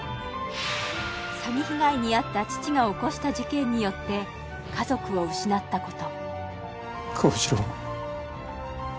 詐欺被害にあった父が起こした事件によって家族を失ったこと高志郎